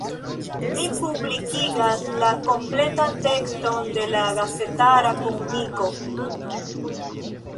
Ni publikigas la kompletan tekston de la gazetara komuniko.